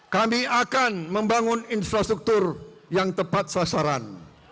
kami akan membangun infrastruktur yang tepat sasaran